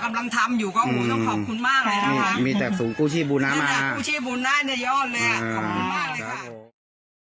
กำลังทำอยู่ก็ผมต้องขอบคุณมากเลยนะคะมีแต่สูงกู้ชีบูรณะมาสูงกู้ชีบูรณะในยอดเลยอ่ะขอบคุณมากเลยค่ะ